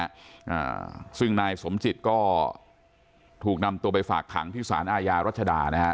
อ่าซึ่งนายสมจิตก็ถูกนำตัวไปฝากขังที่สารอาญารัชดานะฮะ